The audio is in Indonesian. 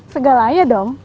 segala aja dong